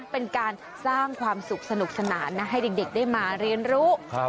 เป็นการสร้างความสุขสนุกสนานนะให้เด็กได้มาเรียนรู้